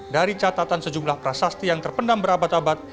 dari catatan sejumlah prasasti yang terpendam berabad abad